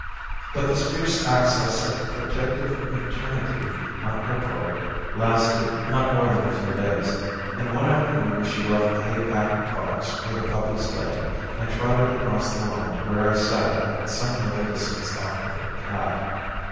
But this fierce access of protective maternity on her part lasted not more than a few days, and one afternoon she left the hay packed box where the puppies lay, and trotted across the lawn to where I sat at some little distance off with her cat.